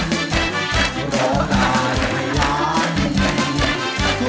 คุณโทนี่